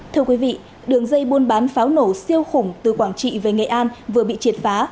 thưa quý vị đường dây buôn bán pháo nổ siêu khủng từ quảng trị về nghệ an vừa bị triệt phá